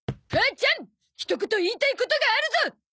母ちゃんひと言言いたいことがあるゾ！